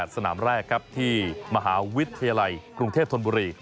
สนามแรกครับที่มหาวิทยาลัยกรุงเทพธนบุรี